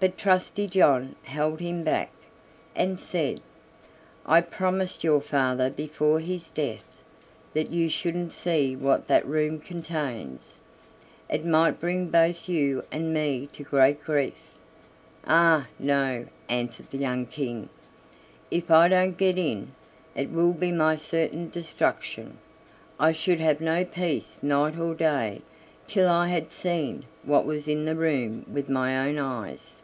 But Trusty John held him back, and said: "I promised your father before his death that you shouldn't see what that room contains. It might bring both you and me to great grief." "Ah! no," answered the young King; "if I don't get in, it will be my certain destruction; I should have no peace night or day till I had seen what was in the room with my own eyes.